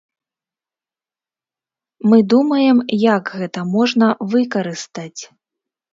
Мы думаем, як гэта можна выкарыстаць.